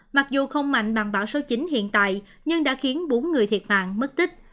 mặc dù không mạnh bằng bão số chín hiện tại nhưng đã khiến bốn người thiệt mạng mất tích